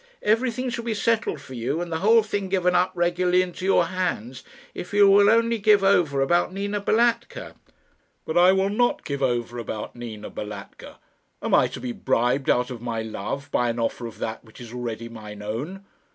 Everything shall be settled for you, and the whole thing given up regularly into your hands, if you will only give over about Nina Balatka." "But I will not give over about Nina Balatka. Am I to be bribed out of my love by an offer of that which is already mine own?